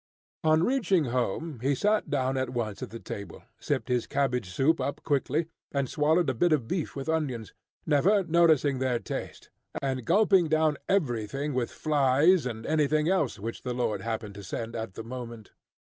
On reaching home, he sat down at once at the table, sipped his cabbage soup up quickly, and swallowed a bit of beef with onions, never noticing their taste, and gulping down everything with flies and anything else which the Lord happened to send at the moment.